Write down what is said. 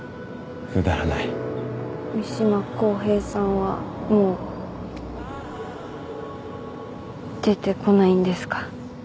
くだらない三島公平さんはもう出てこないんですか？